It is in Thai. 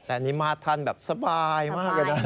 แต่อันนี้มาทันแบบสบายมาก